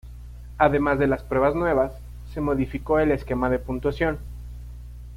Además de las pruebas nuevas, se modificó el esquema de puntuación.